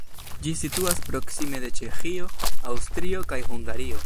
Ĝi situas proksime de Ĉeĥio, Aŭstrio kaj Hungario.